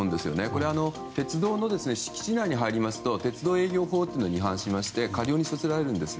これは鉄道の敷地内に入りますと鉄道営業法に違反しまして科料に処せられるんです。